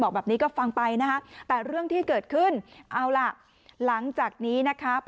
สองสามีภรรยาคู่นี้มีอาชีพ